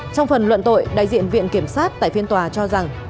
trong phần luận tội đại diện viện kiểm sát tại phiên tòa cho rằng